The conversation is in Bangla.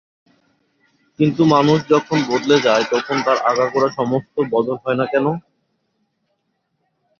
কিন্তু মানুষ যখন বদলে যায় তখন তার আগাগোড়া সমস্ত বদল হয় না কেন?